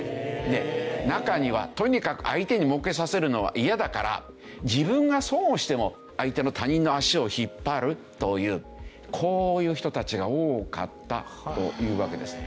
で中にはとにかく相手に儲けさせるのは嫌だから自分が損をしても相手の他人の足を引っ張るというこういう人たちが多かったというわけです。